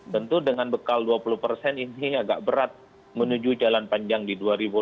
tentu dengan bekal dua puluh persen ini agak berat menuju jalan panjang di dua ribu dua puluh